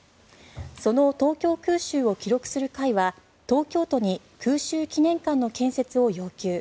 その東京空襲を記録する会は東京都に空襲記念館の建設を要求。